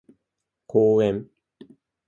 公園